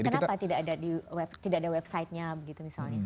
kenapa tidak ada website nya begitu misalnya